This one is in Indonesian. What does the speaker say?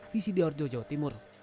di sidoarjo jawa timur